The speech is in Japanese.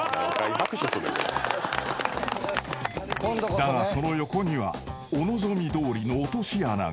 ［だがその横にはお望みどおりの落とし穴が］